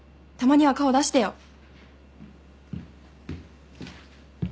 「たまには顔出してよ！」